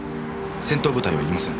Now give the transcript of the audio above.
戦闘部隊はいません。